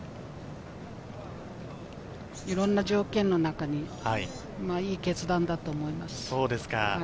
いろんな条件の中で、いい決断だと思います。